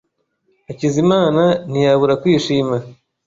Hakizimana ntiyabura kwishima.